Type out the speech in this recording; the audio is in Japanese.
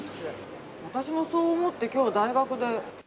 私もそう思って今日大学で。